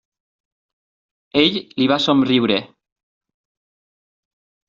Ell li va somriure.